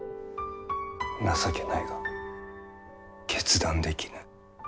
情けないが決断できぬ。